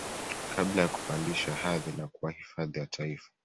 Kabla ya kupandishwa hadhi na kuwa hifadhi ya taifa